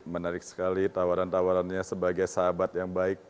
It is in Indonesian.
menarik sekali tawaran tawarannya sebagai sahabat yang baik